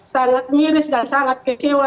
sangat miris dan sangat kecewa